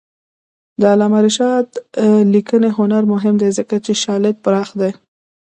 د علامه رشاد لیکنی هنر مهم دی ځکه چې شالید پراخ دی.